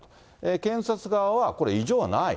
検察側は、これ、異常はない。